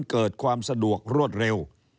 เกิดความสะดวกรวดเร็ว